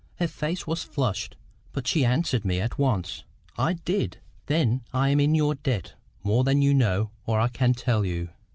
Her face was flushed. But she answered me at once. "I did." "Then I am in your debt more than you know or I can tell you."